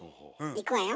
いくわよ？